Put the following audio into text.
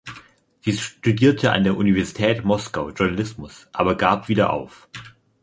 Sie studierte an der Universität Moskau Journalismus, aber gab wieder auf.